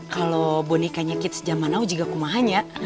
kalau bonekanya kita sejaman lalu juga kumahannya